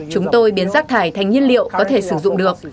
chúng tôi biến rác thải thành nhiên liệu có thể sử dụng được